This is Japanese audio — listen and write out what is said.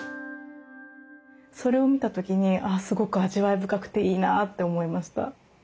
それを見た時にすごく味わい深くていいなって思いました。